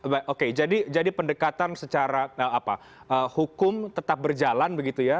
baik jadi pendekatan secara hukum tetap berjalan